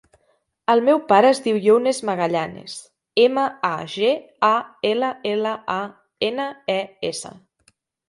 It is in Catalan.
El meu pare es diu Younes Magallanes: ema, a, ge, a, ela, ela, a, ena, e, essa.